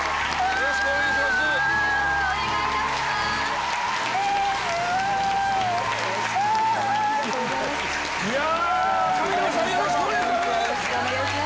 よろしくお願いします。